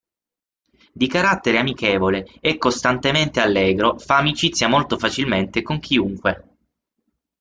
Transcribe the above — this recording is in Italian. Di carattere amichevole e costantemente allegro, fa amicizia molto facilmente con chiunque.